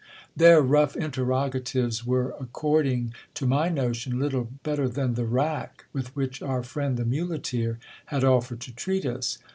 Their fough interrogatives v re. .cording to my notion, little better than the rack with which our friend t te v.x.nc eer had S GIL BLAS. offered to treat us.